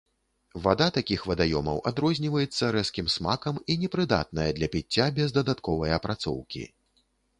Вада такіх вадаёмаў адрозніваецца рэзкім смакам і непрыдатная для піцця без дадатковай апрацоўкі.